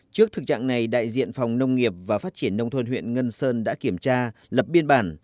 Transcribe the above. trước thực trạng này đại diện phòng nông nghiệp và phát triển nông thôn huyện ngân sơn đã kiểm tra lập biên bản